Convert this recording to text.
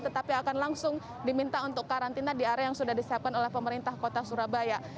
tetapi akan langsung diminta untuk karantina di area yang sudah disiapkan oleh pemerintah kota surabaya